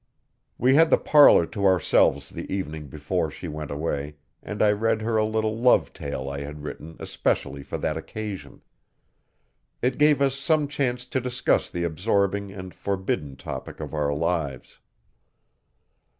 We had the parlour to ourselves the evening before she went away, and I read her a little love tale I had written especially for that occasion. It gave us some chance to discuss the absorbing and forbidden topic of our lives.